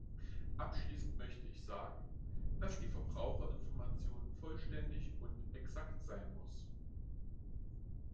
Abschließend möchte ich sagen, dass die Verbraucherinformation vollständig und exakt sein muss.